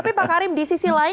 tapi pak karim di sisi lain